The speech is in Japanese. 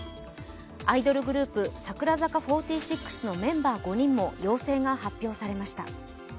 アイドルグループ、櫻坂４６のメンバー５人も陽性が発表されました。